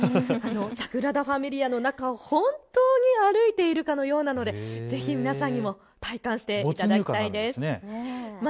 サグラダ・ファミリアの中、本当に歩いているかのようなのでぜひ皆さんにも体感していただきたいです。